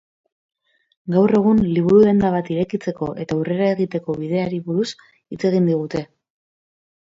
Gaur egun liburu-denda bat irekitzeko eta aurrera egiteko bideari buruz hitz egin digute.